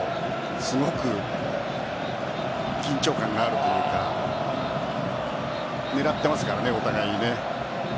すごく緊張感があるというか狙ってますからね、お互いにね。